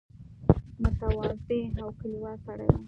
متواضع او کلیوال سړی وو.